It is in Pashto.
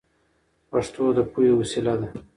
پښتو د پوهې وسیله ده.